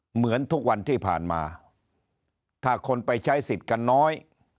เหมือนทุกวันที่ผ่านมาถ้าคนไปใช้สิทธิ์กันน้อย